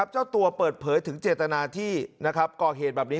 เจ้าตัวเปิดเผยถึงเจตนาที่ก่อเหตุแบบนี้